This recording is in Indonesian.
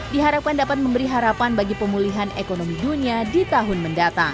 diharapkan dapat memberi harapan bagi pemulihan ekonomi dunia di tahun mendatang